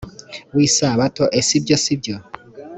w isabato ese ibyo si byo